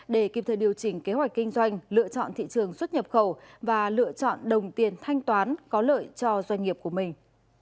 để kịp thời điều chỉnh kế hoạch kinh doanh lựa chọn thị trường xuất nhập khẩu và lựa chọn đồng tiền thanh toán có lợi cho doanh nghiệp của mình